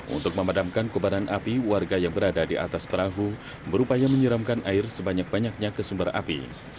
untuk memadamkan kubaran api warga yang berada di atas perahu berupaya menyiramkan air sebanyak banyaknya ke sumber api